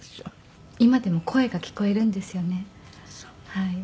はい。